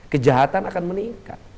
kejahatan akan meningkat